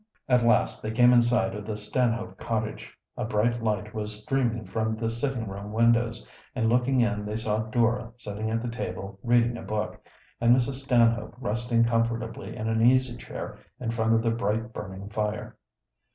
At last they came in sight of the Stanhope cottage. A bright light was streaming from the sitting room windows, and looking in they saw Dora sitting at the table reading a book, and Mrs. Stanhope resting comfortably in an easy chair in front of the bright burning fire.